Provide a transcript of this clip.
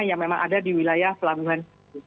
yang memang ada di wilayah pelabuhan